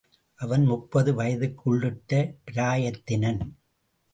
அவன் முப்பது வயதுக்குள்ளிட்ட பிராயத்தினன்.